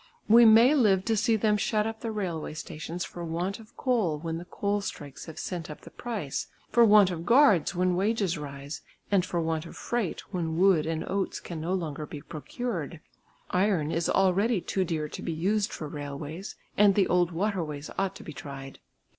We may live to see them shut up the railway stations for want of coal when the coal strikes have sent up the price, for want of guards when wages rise, and for want of freight when wood and oats can no longer be procured; iron is already too dear to be used for railways, and the old water ways ought to be tried.